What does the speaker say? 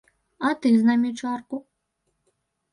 А ты з намі чарку?